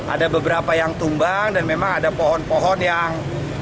ada beberapa yang tumbang dan memang ada pohon pohon yang